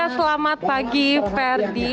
selamat pagi ferdi